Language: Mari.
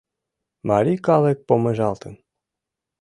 Марий калык помыжалтын